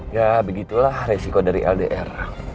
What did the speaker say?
ya begitulah resiko dari ldr